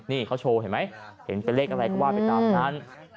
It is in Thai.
นี่เขาโชว์เห็นไหมเห็นเป็นเลขอะไรก็ว่าไปตามนั้น